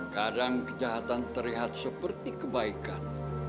kadang kejahatan terlihat seperti kebaikan